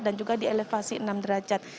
dan juga di elevasi enam derajat